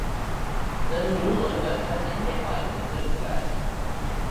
என்று ஒருவர் தன் நெஞ்சைப் பார்த்துக் கேட்கிறார்.